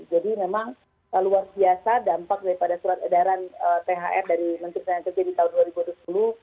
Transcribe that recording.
jadi memang luar biasa dampak daripada surat edaran thr dari menteri penyelidikan di tahun dua ribu dua puluh